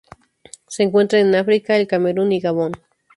Se encuentran en África: el Camerún y Gabón.